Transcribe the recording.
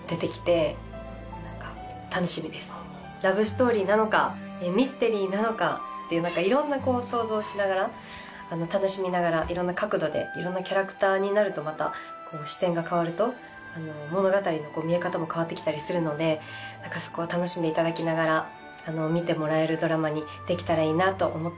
ラブストーリーなのかミステリーなのかっていういろんな想像をしながら楽しみながらいろんな角度でいろんなキャラクターになるとまた視点が変わると物語の見え方も変わってきたりするのでそこは楽しんで頂きながら見てもらえるドラマにできたらいいなと思っています。